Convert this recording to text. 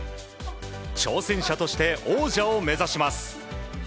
挑戦者として王者を目指します。